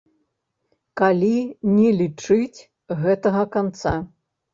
Калі не лічыць гэтага канца.